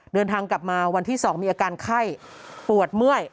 เดินทางกลับมาวันที่๒มีอาการไข้ปวดเมื่อย